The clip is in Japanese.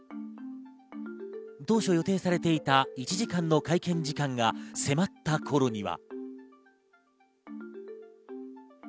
当初予定されていた１時間の会見時間が迫った頃には。